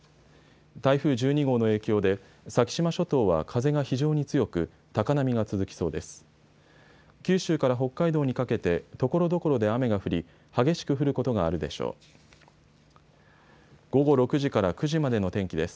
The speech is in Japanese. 台風１２号の影響で先島諸島は風が非常に強く高波が続きそうです。